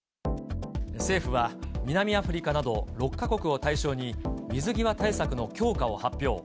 政府は、南アフリカなど６か国を対象に、水際対策の強化を発表。